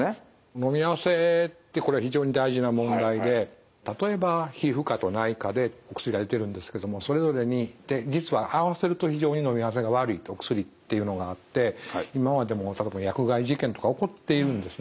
のみ合わせってこれ非常に大事な問題で例えば皮膚科と内科でお薬が出てるんですけどもそれぞれに実はあわせると非常にのみ合わせが悪いお薬っていうのがあって今までも例えば薬害事件とか起こっているんですね。